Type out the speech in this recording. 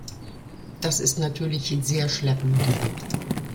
Das ist natürlich sehr schleppend.